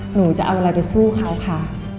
หนูจะเอาอะไรไปสู้เขาค่ะ